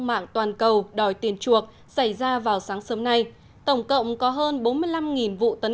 mạng toàn cầu đòi tiền chuộc xảy ra vào sáng sớm nay tổng cộng có hơn bốn mươi năm vụ tấn